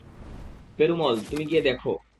পেরুমল, তুমি গিয়ে দেখো।